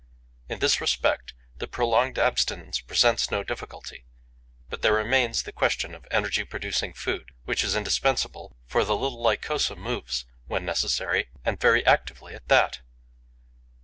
In this respect, the prolonged abstinence presents no difficulty. But there remains the question of energy producing food, which is indispensable, for the little Lycosa moves, when necessary, and very actively at that.